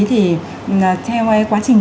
thì theo quá trình